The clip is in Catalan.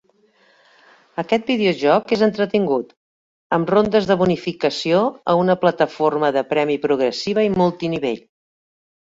Aquest videojoc és entretingut, amb rondes de bonificació a una plataforma de premi progressiva i multinivell.